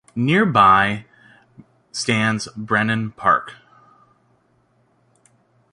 Nearby stands Benham Park.